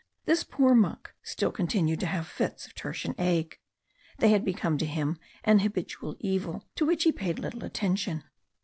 This poor monk still continued to have fits of tertian ague; they had become to him an habitual evil, to which he paid little attention.